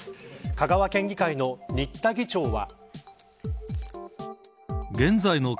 香川県議会の新田議長は。